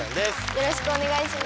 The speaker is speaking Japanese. よろしくお願いします。